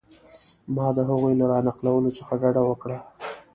ما د هغوی له را نقلولو څخه ډډه وکړه.